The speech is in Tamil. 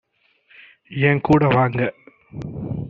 என் கூட வாங்க!